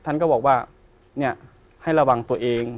ท่านก็บอกว่าให้ระวังตัวเอง